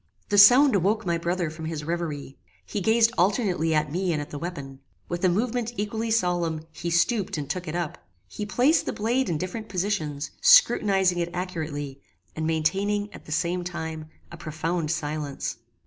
The sound awoke my brother from his reverie. He gazed alternately at me and at the weapon. With a movement equally solemn he stooped and took it up. He placed the blade in different positions, scrutinizing it accurately, and maintaining, at the same time, a profound silence.